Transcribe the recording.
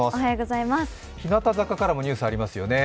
日向坂からもニュースありますよね。